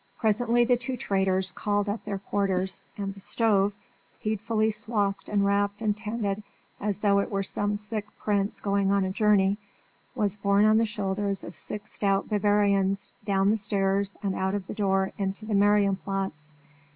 Presently the two traders called up their porters, and the stove, heedfully swathed and wrapped and tended as though it were some sick prince going on a journey, was borne on the shoulders of six stout Bavarians down the stairs and out of the door into the Marienplatz.